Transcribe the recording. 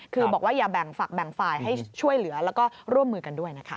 คือบอกว่าอย่าแบ่งฝักแบ่งฝ่ายให้ช่วยเหลือแล้วก็ร่วมมือกันด้วยนะคะ